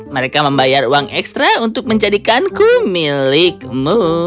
mereka membayar uang ekstra untuk menjadikanku milikmu